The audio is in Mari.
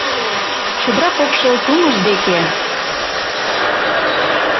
Чодыра покшел тумыж деке